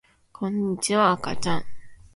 こんにちは、あかちゃん